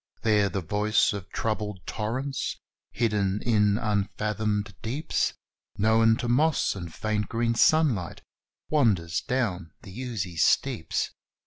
There the voice of troubled torrents, hidden in unfathomed deeps, Known to moss and faint green sunlight, wanders down the oozy steeps.